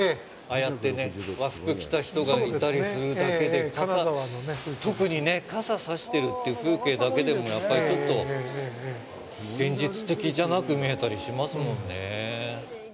ああやってね和服着た人がいたりするだけで特に傘を差してるっていう風景だけでもやっぱりちょっと現実的じゃなく見えたりしますもんね。